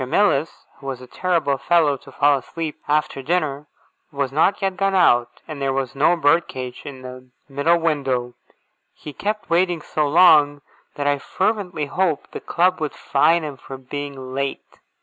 Mills, who was a terrible fellow to fall asleep after dinner, had not yet gone out, and there was no bird cage in the middle window. He kept me waiting so long, that I fervently hoped the Club would fine him for being late.